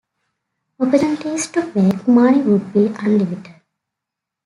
Opportunities to make money would be unlimited.